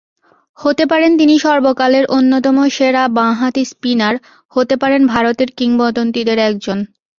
হতে পারেন তিনি সর্বকালের অন্যতম সেরা বাঁহাতি স্পিনার, হতে পারেন ভারতের কিংবদন্তিদের একজন।